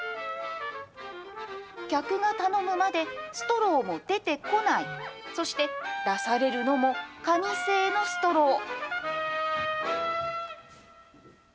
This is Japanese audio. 客が頼むまでストローも出てこない、そして、出されるのも紙製のストロー。